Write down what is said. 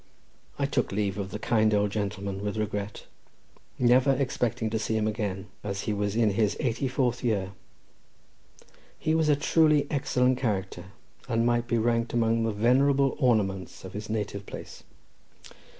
I took leave of the kind old gentleman with regret, never expecting to see him again, as he was in his eighty fourth year—he was a truly excellent character, and might be ranked amongst the venerable ornaments of his native place.